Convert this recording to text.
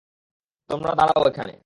তোমরা দাঁড়াও এখানে!